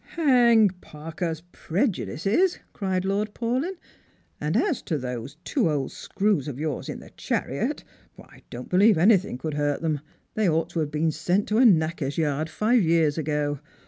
" Hang Parker's prejudices! " cried Lord Paulyn ;" and as to those two old screws of youi's in the chariot, I don't believe anything could hurt them. They ought to have been sent to a knacker's yard five years ago.